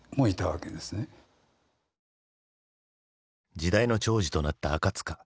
時代のちょうじとなった赤塚。